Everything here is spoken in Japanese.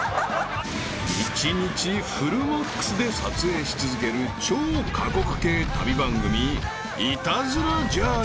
［１日フルマックスで撮影し続ける超過酷系旅番組『イタズラ×ジャーニー』］